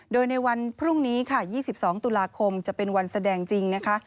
โดยในวันพรุ่งนี้ค่ะ๒๒ตุลาคมจะเป็นวันแสดงจริงนะคะ